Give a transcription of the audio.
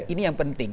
ini yang penting